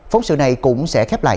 phóng sự này cũng sẽ khép lại